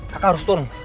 kakak harus turun